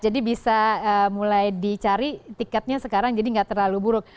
jadi bisa mulai dicari tiketnya sekarang jadi nggak terlalu buruk